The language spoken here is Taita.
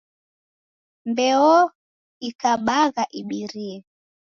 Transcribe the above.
Mbeoikabagha ibirie!